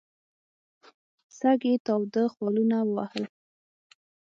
سږ یې تاوده خالونه ووهل.